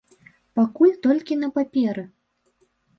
Пакуль толькі на паперы.